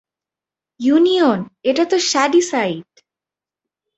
Union, এটাতো Shadyside!